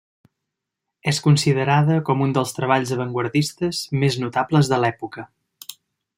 És considerada com un dels treballs avantguardistes més notables de l'època.